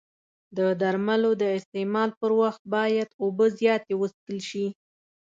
د درملو د استعمال پر وخت باید اوبه زیاتې وڅښل شي.